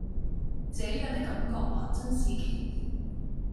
這樣的感覺還真是奇妙